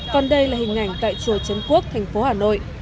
còn đây là hình ảnh tại chùa trấn quốc thành phố hà nội